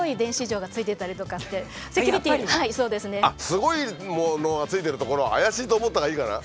すごいものがついてる所は怪しいと思ったほうがいいかな。